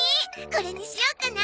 これにしようかな？